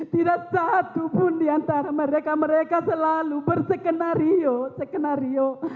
tidak satu pun diantara mereka mereka selalu bersekenario sekenario